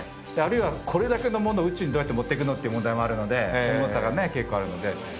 あるいはこれだけのものを宇宙にどうやって持っていくのっていう問題もあるので重さがね結構あるので。